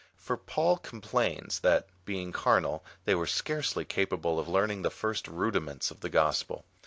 For Paul complains, that, being carnal, they were scarcely capable of learning the first rudiments of the gospel.